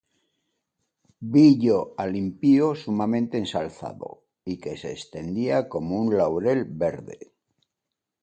Vi yo al impío sumamente ensalzado, Y que se extendía como un laurel verde.